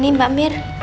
nah ini mbak mir